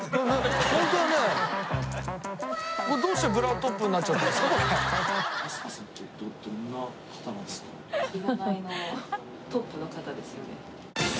ブラトップになっちゃったんですか？